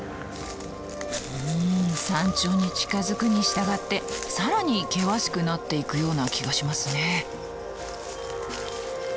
うん山頂に近づくに従って更に険しくなっていくような気がしますね。